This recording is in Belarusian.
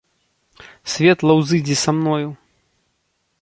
Светла ўзыдзі са мною.